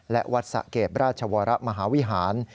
และวัดสะเกดราชวรมหาวิหาร